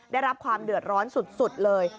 ได้รับความเดือดร้อนสุดเลย